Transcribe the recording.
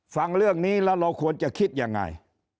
ฟังเรื่องนี้แล้วเราควรจะคิดยังไง